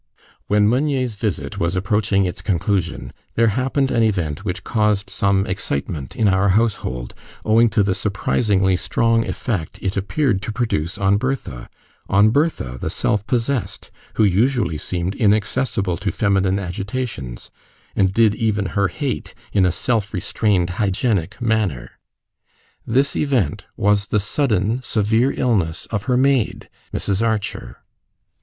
When Meunier's visit was approaching its conclusion, there happened an event which caused some excitement in our household, owing to the surprisingly strong effect it appeared to produce on Bertha on Bertha, the self possessed, who usually seemed inaccessible to feminine agitations, and did even her hate in a self restrained hygienic manner. This event was the sudden severe illness of her maid, Mrs. Archer.